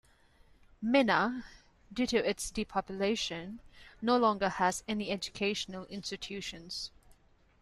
Minna, due to its depopulation, no longer has any educational institutions.